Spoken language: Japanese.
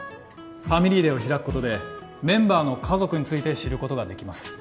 ファミリーデーを開くことでメンバーの家族について知ることができます